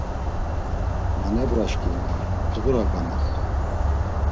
Manebraçkimik mdğura gamaxtu.